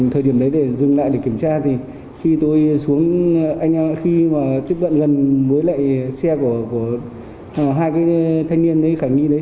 thời điểm đấy để dừng lại để kiểm tra thì khi tôi xuống anh em khi mà tiếp cận gần với lại xe của hai cái thanh niên khả nghi đấy